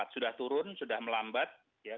sudah turun sudah melambat dua sembilan puluh empat